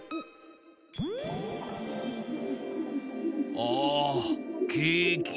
ああケーキ。